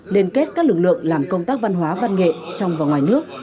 liên kết các lực lượng làm công tác văn hóa văn nghệ trong và ngoài nước